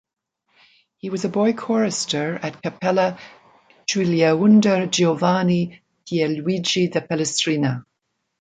He was a boy chorister at Cappella Giuliaunder Giovanni Pierluigi da Palestrina.